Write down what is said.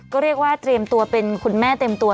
ก็เรียกว่าเตรียมตัวเป็นคุณแม่เต็มตัว